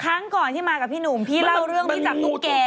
ครั้งก่อนที่มากับพี่หนุ่มพี่เล่าเรื่องพี่จับตุ๊กแก่